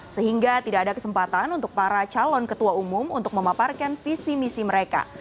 sehingga tidak ada kesempatan untuk para calon ketua umum untuk memaparkan visi misi mereka